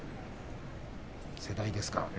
世代ですか？